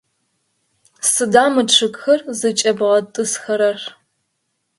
Сыда мы чъыгхэр зыкӏэбгъэтӏысхэрэр?